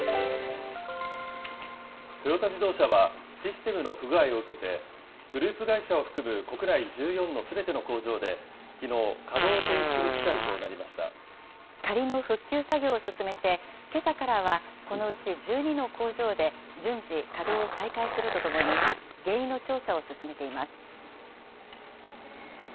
トヨタ自動車はシステムの不具合を受けて、グループ会社を含む国内１４のすべての工場で、きのう、仮の復旧作業を進めて、けさからはこのうち１２の工場で順次、稼働を再開するとともに、原因の調査を進めています。